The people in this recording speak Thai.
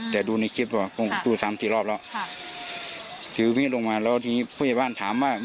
แต่ดูในคลิปว่าคงดูสามสี่รอบแล้วค่ะถือมีดลงมาแล้วทีนี้ผู้ใหญ่บ้านถามว่า